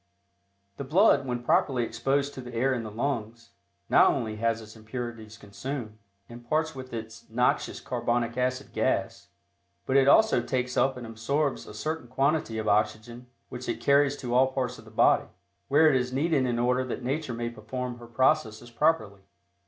The blood, when properly exposed to the air in the lungs, not only has its impurities consumed, and parts with its noxious carbonic acid gas, but it also takes up and absorbs a certain quantity of oxygen which it carries to all parts of the body, where it is needed in order that Nature may perform her processes properly.